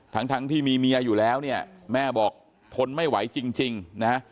ทั้งทั้งที่มีเมียอยู่แล้วเนี่ยแม่บอกทนไม่ไหวจริงนะฮะ